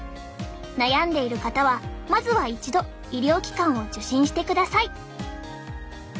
悩んでいる方はまずは一度医療機関を受診してください！